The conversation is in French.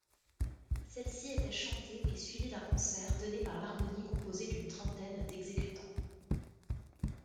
Celle-ci était chantée et suivie d'un concert donné par l'harmonie composée d'une trentaine d'exécutants.